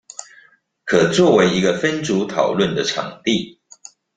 可作為一個分組討論的場地